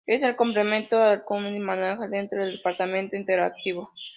Es el complemento al Community Manager dentro del departamento interactivo.